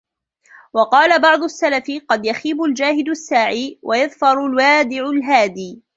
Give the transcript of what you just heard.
وَقَالَ بَعْضُ السَّلَفِ قَدْ يَخِيبُ الْجَاهِدُ السَّاعِي ، وَيَظْفَرُ الْوَادِعُ الْهَادِي